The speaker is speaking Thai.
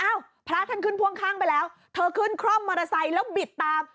พระท่านขึ้นพ่วงข้างไปแล้วเธอขึ้นคร่อมมอเตอร์ไซค์แล้วบิดตาม